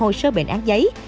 hồ sơ bệnh án điện tử